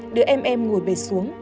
đưa em em ngồi bệt xuống